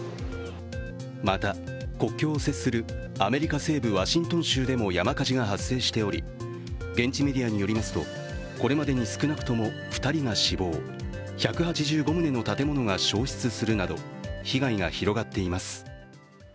また、国境を接するアメリカ西部ワシントン州でも山火事が発生しており現地メディアによりますと、これまでに少なくとも２人が死亡１８５棟の建物が焼失するなど被害が広がっています。